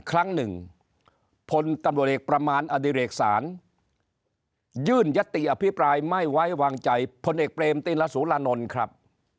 ครั้งหนึ่งพลตำรวจเอกประมาณอดิเรกศาลยื่นยติอภิปรายไม่ไว้วางใจพลเอกเปรมติลสุรานนท์ครับ